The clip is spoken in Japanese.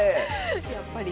やっぱり。